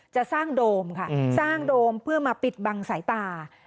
จะสร้างโดมค่ะสร้างโดมเพื่อมาปิดบังสายตา